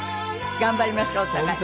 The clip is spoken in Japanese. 頑張りましょうお互い。